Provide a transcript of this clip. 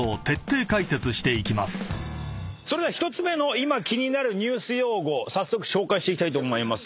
それでは１つ目の今気になるニュース用語紹介していきたいと思います。